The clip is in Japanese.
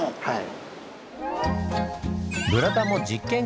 はい。